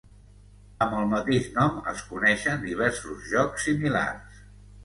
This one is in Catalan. Amb el mateix nom es coneixen diversos jocs similars.